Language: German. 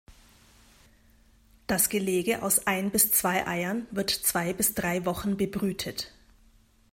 Das Gelege aus ein bis zwei Eiern wird zwei bis drei Wochen bebrütet.